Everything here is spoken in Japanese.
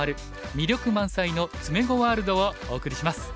魅力満載の詰碁ワールド」をお送りします。